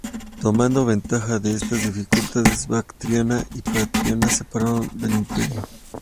Tomando ventaja de estas dificultades, Bactriana y Partia se separaron del imperio.